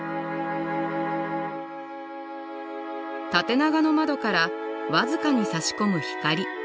縦長の窓から僅かにさし込む光。